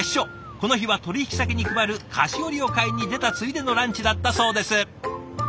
この日は取引先に配る菓子折を買いに出たついでのランチだったそうです。